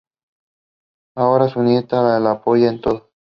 Adora a su nieta y la apoya en todo.